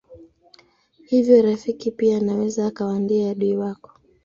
Hivyo rafiki pia anaweza akawa ndiye adui wako.